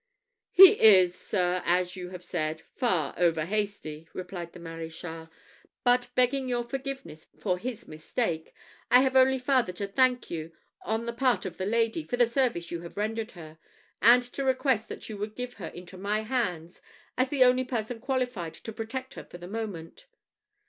"He is, sir, as you have said, far over hasty," replied the Maréchal; "but begging your forgiveness for his mistake, I have only farther to thank you, on the part of the lady, for the service you have rendered her, and to request that you would give her into my hands, as the only person qualified to protect her for the moment."